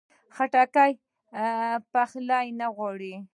خټکی پخلی نه غواړي.